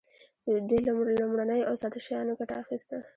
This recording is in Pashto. دوی له لومړنیو او ساده شیانو ګټه اخیسته.